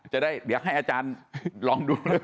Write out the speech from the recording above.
จะได้เดี๋ยวให้อาจารย์ลองดู